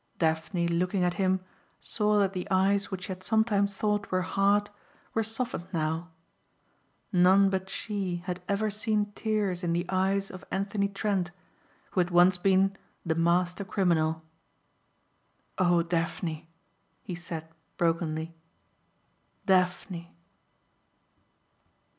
Daphne looking at him saw that the eyes which she had sometimes thought were hard were softened now. None but she had ever seen tears in the eyes of Anthony Trent who had once been the Master Criminal. "Oh Daphne," he said brokenly. "Daphne."